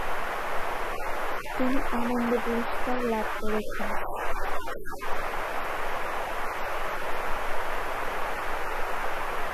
তিনি আনন্দ পুরস্কার লাভ করেছেন।